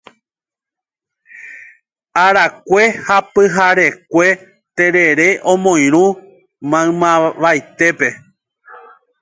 arakue ha pyharekue terere omoirũ maymavaitépe.